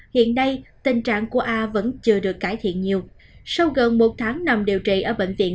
hiện nay tình trạng của a vẫn chưa được cải thiện nhiều sau gần một tháng nằm điều trị ở bệnh viện